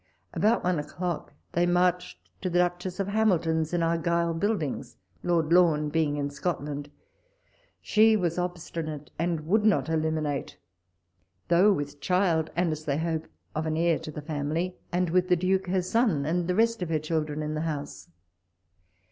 About one o'clock they marched to the Duchess of Hamilton's in Argyle ^Buildings (Lord Lorn being in Scotland). She was obsti nate, and would not illuminate, though with child, and, as thej'^ hope, of an heir to the family, and with the Duke, her son, and the rest of her children in the house.